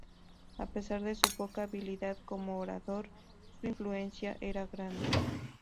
A pesar de su poca habilidad como orador, su influencia era grande.